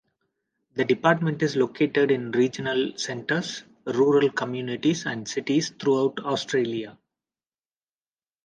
The department is located in regional centres, rural communities and cities throughout Australia.